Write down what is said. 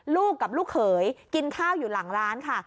ลูกกับลูกเขยกินข้าวอยู่หลังร้านค่ะ